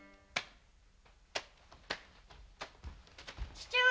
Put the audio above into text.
父上！